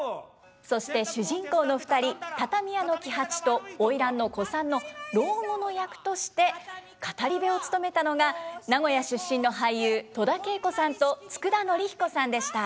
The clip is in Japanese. そして主人公の２人畳屋の喜八と花魁の小さんの老後の役として語り部を務めたのが名古屋出身の俳優戸田恵子さんと佃典彦さんでした。